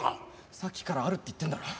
さっきからあるって言ってんだろ。